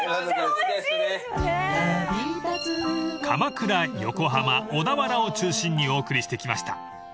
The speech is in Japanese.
［鎌倉横浜小田原を中心にお送りしてきました］